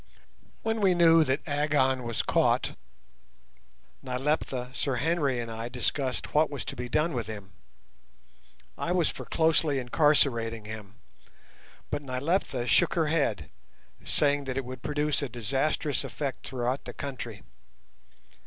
When we knew that Agon was caught, Nyleptha, Sir Henry, and I discussed what was to be done with him. I was for closely incarcerating him, but Nyleptha shook her head, saying that it would produce a disastrous effect throughout the country.